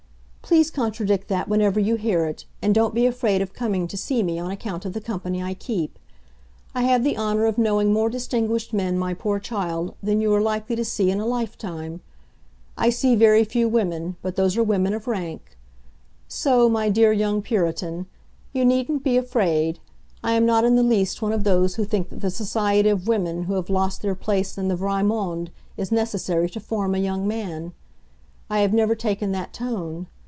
Please contradict that whenever you hear it, and don't be afraid of coming to see me on account of the company I keep. I have the honor of knowing more distinguished men, my poor child, than you are likely to see in a life time. I see very few women; but those are women of rank. So, my dear young Puritan, you needn't be afraid. I am not in the least one of those who think that the society of women who have lost their place in the vrai monde is necessary to form a young man. I have never taken that tone.